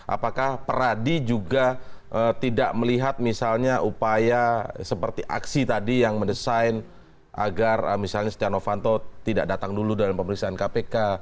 apakah peradi juga tidak melihat misalnya upaya seperti aksi tadi yang mendesain agar misalnya stiano fanto tidak datang dulu dalam pemeriksaan kpk